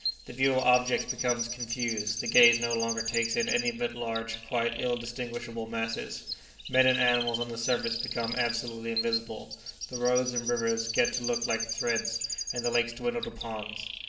The view of objects becomes confused; the gaze no longer takes in any but large, quite ill distinguishable masses; men and animals on the surface become absolutely invisible; the roads and rivers get to look like threads, and the lakes dwindle to ponds.